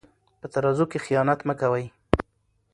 په ترازو کې خیانت مه کوئ.